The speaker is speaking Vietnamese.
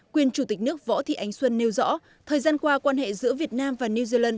quyền chủ tịch nước võ thị ánh xuân nêu rõ thời gian qua quan hệ giữa việt nam và new zealand